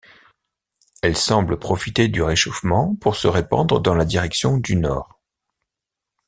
Elle semble profiter du réchauffement pour se répandre dans la direction du nord.